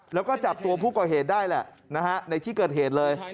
แล้วก็จับตัวผู้ก่อเหตุได้แหละนะฮะในที่เกิดเหตุเลย